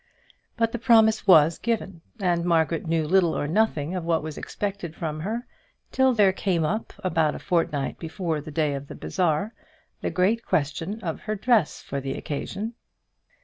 But the promise was given, and Margaret knew little or nothing of what was expected from her till there came up, about a fortnight before the day of the bazaar, the great question of her dress for the occasion.